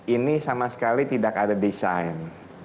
ini sama sekali tidak ada desain